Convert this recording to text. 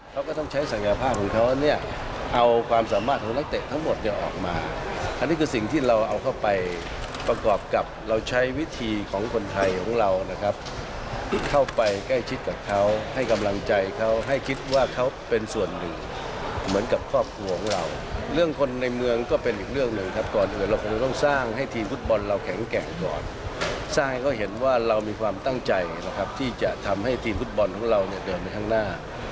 สร้างก็เห็นว่าเรามีความตั้งใจนะครับที่จะทำให้ทีมฟุตบอลของเราเนี่ยเดินไปข้างหน้า